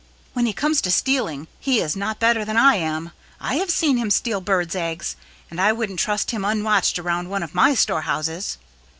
When he comes to stealing he is not better than I am. I have seen him steal birds' eggs, and I wouldn't trust him unwatched around one of my storehouses."